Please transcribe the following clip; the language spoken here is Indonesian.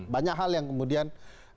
banyak hal yang kemudian